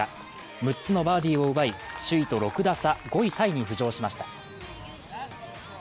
６つのバーディーを奪い、首位と６打差、５位タイに浮上しました。